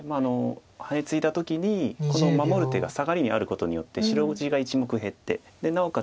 ハネツイだ時にこの守る手がサガリにあることによって白地が１目減ってでなおかつ